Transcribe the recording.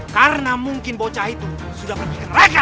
karena mungkin bocah itu sudah pergi ke neraka